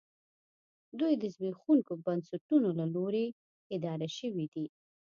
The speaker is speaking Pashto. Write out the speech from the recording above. دوی د زبېښونکو بنسټونو له لوري اداره شوې دي